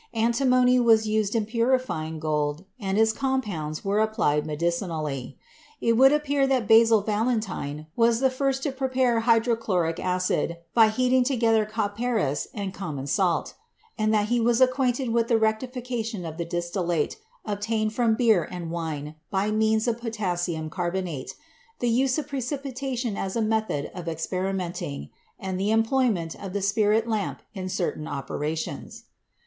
Antimony was used in puri fying gold and its compounds were applied medicinally. It would appear that Basil Valentine was the first to pre pare hydrochloric acid by heating together copperas and common salt ; and that he was acquainted with the rectifi cation of the distillate obtained from beer and wine by means of potassium carbonate, the use of precipitation as a method of experimenting, and the employment of the spirit lamp in certain operations.